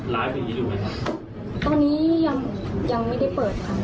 ไลฟ์ดูให้ดูไหมครับตอนนี้ยังยังไม่ได้เปิดครับ